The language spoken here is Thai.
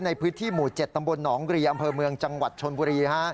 ในพื้นที่หมู่๗ตำบลหนองรีอำเภอเมืองจังหวัดชนบุรี